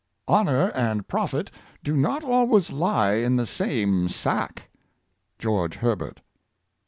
Honor and profit do not always lie in the same sack.'* — George Herbert.